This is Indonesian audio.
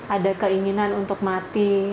ada keinginan untuk mati